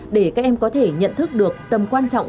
để các em có thể nhận thức được tầm quan trọng